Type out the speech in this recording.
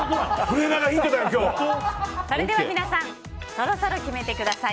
それでは皆さんそろそろ決めてください。